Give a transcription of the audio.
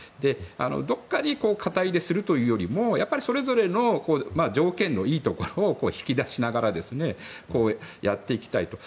どこかに肩入れするというよりもそれぞれの条件のいいところを引き出しながらやっていきたいと。